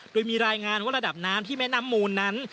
โดยมีรายงานว่าระดับน้ำที่แม่น้ำมูลนั้น